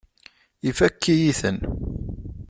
Ifakk-iyi-ten.